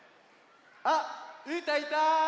あっうーたんいた！